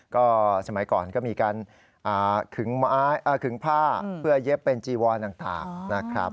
ก็สมัยก่อนก็มีการขึงผ้าเพื่อเย็บเป็นจีวอนต่างนะครับ